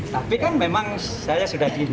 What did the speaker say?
tapi kan memang saya sudah di